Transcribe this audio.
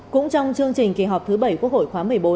cũng trong chương trình kỳ họp thứ bảy quốc hội khóa một mươi bốn